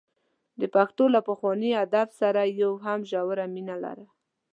د پښتو له پخواني ادب سره یې هم ژوره مینه لرله.